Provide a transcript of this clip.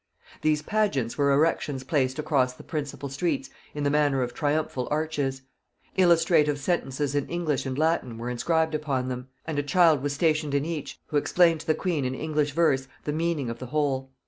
These pageants were erections placed across the principal streets in the manner of triumphal arches: illustrative sentences in English and Latin were inscribed upon them; and a child was stationed in each, who explained to the queen in English verse the meaning of the whole.